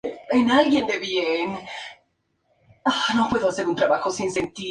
Su traslado a Los Ángeles le ayudó a ganar confianza.